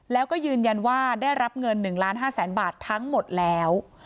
แล้วก็ยืนยันว่าได้รับเงิน๑ล้าน๕แสนบาททั้งหมดแล้ว